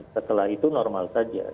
setelah itu normal saja